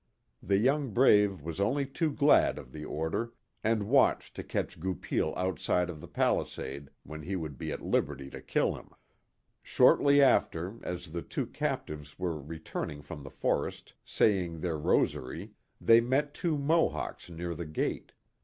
The young brave was only too glad of the order, and watched to catch Goupil outside of the pali sade when he would be at liberty to kill him. Shortly after, as the two captives were returning from the forest, saying their rosary, they met two Mohawks near the gate.